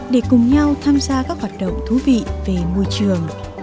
để cùng nhau tham gia các hoạt động thú vị về môi trường